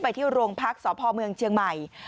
ที่โรงพักษพเมืองเชียงใหม่